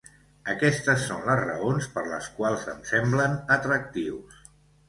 Aquestes són les raons per les quals em semblen atractius.